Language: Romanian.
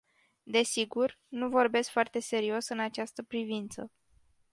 Desigur, nu vorbesc foarte serios în această privință.